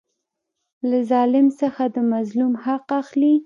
له ظالم څخه د مظلوم حق اخلي.